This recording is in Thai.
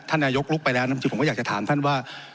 ท่านนายกลุกไปแล้วนะจริงจริงผมก็อยากจะถามท่านว่า